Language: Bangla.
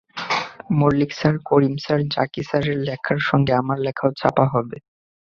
মল্লিক স্যার, করিম স্যার, জাকি স্যারের লেখার সঙ্গে আমার লেখাও ছাপা হবে।